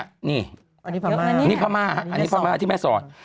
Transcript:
อันนี้พม่าอันนี้พม่าที่แม่สอด